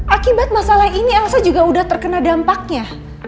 akibat masalah ini elsa juga udah terkena dampaknya